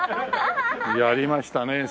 やりましたねえ。